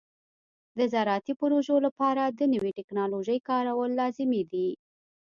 د زراعتي پروژو لپاره د نوې ټکنالوژۍ کارول لازمي دي.